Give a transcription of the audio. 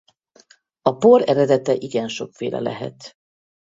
A por eredete igen sokféle lehet.